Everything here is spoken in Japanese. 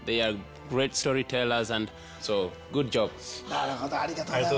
なるほどありがとうございます。